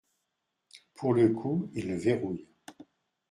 Pour le coup il le verrouille.